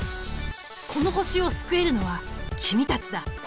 この星を救えるのは君たちだ。